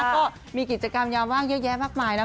ก็มีกิจกรรมยามว่างเยอะแยะมากมายนะ